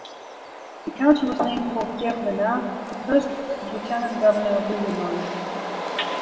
The County was named for Pierre Menard, the first lieutenant governor of Illinois.